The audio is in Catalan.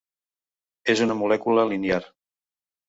És una molècula linear.